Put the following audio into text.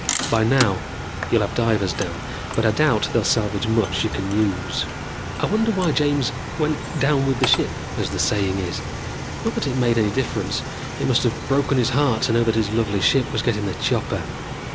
By now you'll have divers down, but I doubt they'll salvage much you can use. "I wonder why James went down with the ship, as the saying is? Not that it made any difference. It must have broken his heart to know that his lovely ship was getting the chopper.